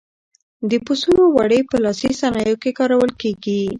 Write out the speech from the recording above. د پسونو وړۍ په لاسي صنایعو کې کارول کېږي.